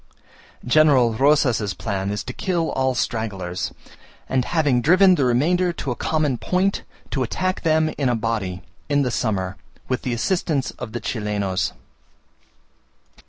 General Rosas's plan is to kill all stragglers, and having driven the remainder to a common point, to attack them in a body, in the summer, with the assistance of the Chilenos.